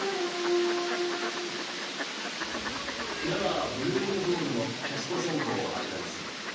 では「ブルームボール」のキャスト選考を始めます。